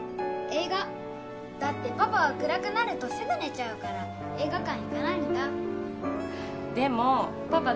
映画だってパパは暗くなるとすぐ寝ちゃうから映画館行かないんだでもパパ